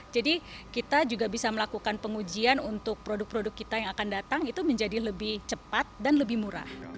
jadi kita juga bisa melakukan pengujian untuk produk produk kita yang akan datang itu menjadi lebih cepat dan lebih murah